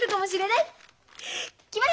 決まり！